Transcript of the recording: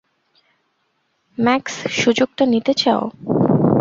Max, সুযোগটা নিতে চাও?